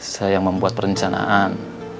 saya yang membuat perencanaan